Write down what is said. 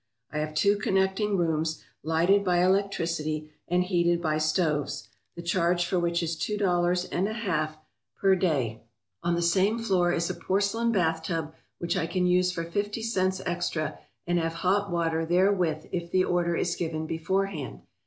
I have two connecting rooms, lighted by electricity and heated by stoves, the charge for which is two dollars and a half per 253 ALASKA OUR NORTHERN WONDERLAND day. On the same floor is a porcelain bathtub which I can use for fifty cents extra and have hot water therewith if the order is given beforehand.